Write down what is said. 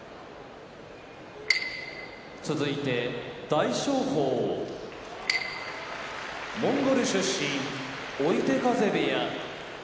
大翔鵬モンゴル出身追手風部屋